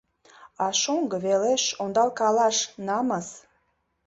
— А шоҥго велеш ондалкалаш намыс.